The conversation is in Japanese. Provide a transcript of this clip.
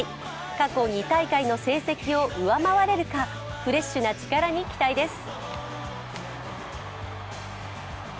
過去２大会の成績を上回れるか、フレッシュな力に期待です。